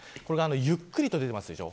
ゆっくりと出ていますでしょ。